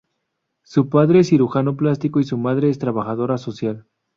Su padre es cirujano plástico y su madre es trabajadora social.